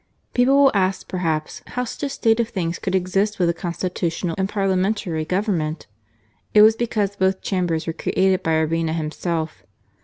People will ask perhaps how such a state of things could exist with a Constitutional and Parliamentary Government ? It was because both Chambers were created by Urbina himself.